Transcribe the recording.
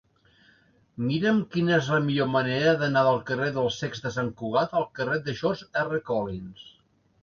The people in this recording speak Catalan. Mira'm quina és la millor manera d'anar del carrer dels Cecs de Sant Cugat al carrer de George R. Collins.